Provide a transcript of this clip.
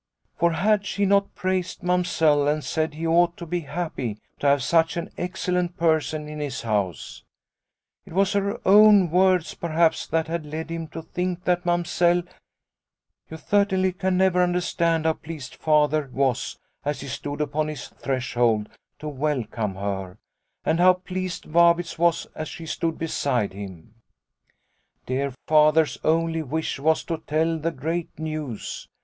For had she not praised Mamsell and said he ought to be happy to have such an excellent person in his house ? It was her own words perhaps that had led him to think that Mam sell " You certainly can never understand how pleased Father was, as he stood upon his Snow White 5 3 threshold to welcome her, and how pleased Vabitz was as she stood beside him. Dear Father's only wish was to tell the great news.